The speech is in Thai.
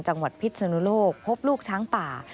จังหวัดพิษสนุโลกพบลูกช้างป่า